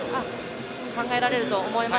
考えられると思います。